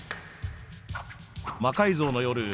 「魔改造の夜」